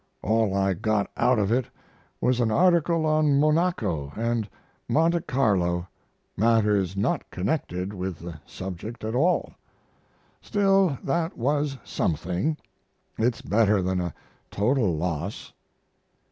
All I got out of it was an article on Monaco & Monte Carlo matters not connected with the subject at all. Still, that was something it's better than a total loss.